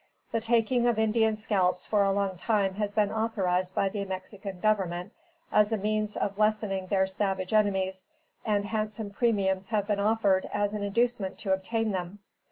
The taking of Indian scalps for a long time has been authorized by the Mexican Government, as a means of lessening their savage enemies, and handsome premiums have been offered as an inducement to obtain them.